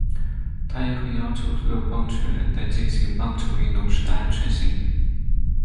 他也很要求所有棒球员在进行棒球运动时的安全性。